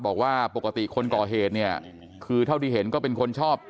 บอกว่าปกติคนก่อเหตุเนี่ยคือเท่าที่เห็นก็เป็นคนชอบ